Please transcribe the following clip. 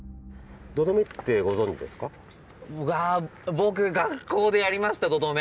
僕学校でやりました土留め！